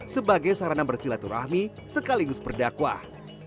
sebagai sarana bersilat turahmi sekaligus perdakwah